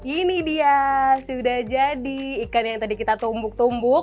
ini dia sudah jadi ikan yang tadi kita tumbuk tumbuk